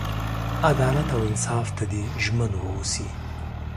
عدالت او انصاف ته دې ژمن ووسي.